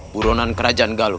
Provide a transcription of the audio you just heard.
buronan kerajaan galuh